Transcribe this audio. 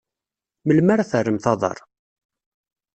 Melmi ara terremt aḍar?